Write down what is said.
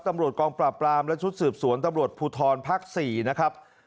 ตำรวจกองปราบปรามและชุดสืบสวนตำรวจภูทรภาค๔นะครับ